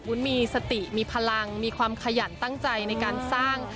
วุ้นมีสติมีพลังมีความขยันตั้งใจในการสร้าง